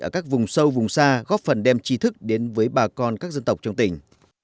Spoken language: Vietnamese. ở các vùng sâu vùng xa góp phần đem trí thức đến với bà con các dân tộc trong tỉnh